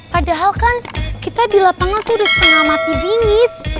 padahal kan kita di lapangan tuh udah setengah mati dingin